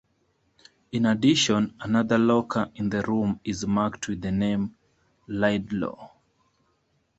In addition, another locker in the room is marked with the name "Laidlaw".